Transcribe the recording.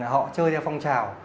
họ chơi theo phong trào